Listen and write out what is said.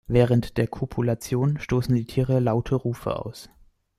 Während der Kopulation stoßen die Tiere laute Rufe aus.